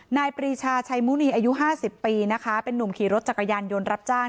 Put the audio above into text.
ปรีชาชัยมุณีอายุ๕๐ปีนะคะเป็นนุ่มขี่รถจักรยานยนต์รับจ้าง